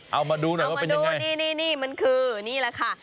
เอามาดูหน่อยว่าเป็นยังไง